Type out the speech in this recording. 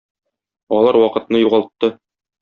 Алар вакытны югалтты.